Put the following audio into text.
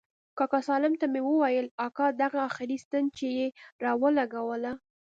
کاکا سالم ته مې وويل اكا دغه اخري ستن چې يې راولګوله.